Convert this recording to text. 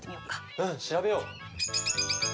うん調べよう！